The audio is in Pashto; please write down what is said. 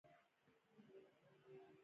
په غیږکې ونیولم